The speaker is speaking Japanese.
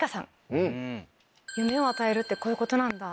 「夢を与えるってこういうことなんだ。